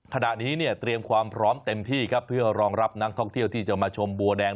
ขณะนี้เนี่ยเตรียมความพร้อมเต็มที่ครับเพื่อรองรับนักท่องเที่ยวที่จะมาชมบัวแดง